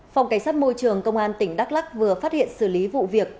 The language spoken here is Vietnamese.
phòng cảnh sát môi trường công an tỉnh đắk lắc vừa phát hiện xử lý vụ việc